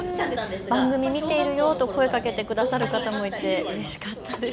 番組見ているよと声をかけてくださる方もいてうれしかったです。